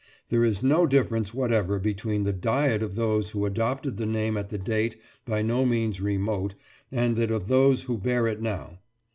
There is no difference whatever between the diet of those who adopted the name at the date by no means remote and that of those who bear it now.